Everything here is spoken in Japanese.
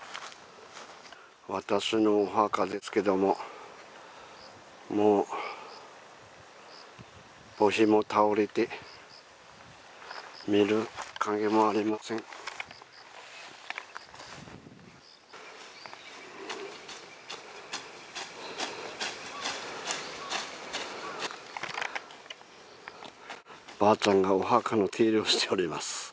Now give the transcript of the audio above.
私のお墓ですけどももう墓誌も倒れて見る影もありませんばあちゃんがお墓の手入れをしております